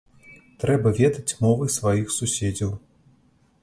Трэба ведаць мовы сваіх суседзяў.